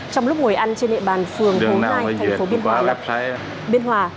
trong lúc ngồi ăn trên hệ bàn phường hồ nai thành phố biên hòa